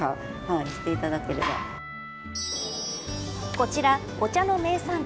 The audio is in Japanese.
こちら、お茶の名産地